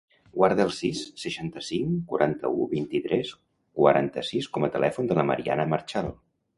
Guarda el sis, seixanta-cinc, quaranta-u, vint-i-tres, quaranta-sis com a telèfon de la Mariana Marchal.